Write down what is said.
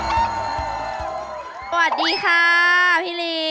สวัสดีครับพี่ริ่ง